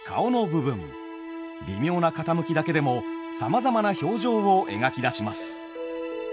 微妙な傾きだけでもさまざまな表情を描き出します。